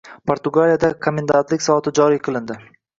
Portugaliyada komendantlik soati joriy qilindi